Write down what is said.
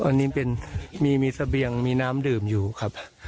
ตอนนี้เป็นมีเสบียงมีน้ำดื่มอยู่ครับ